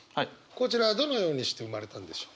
こちらどのようにして生まれたんでしょう。